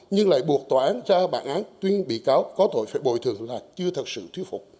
nhưng lại buộc tòa án ra bản án tuyên bị cáo có tội sẽ bồi thường là chưa thật sự thuyết phục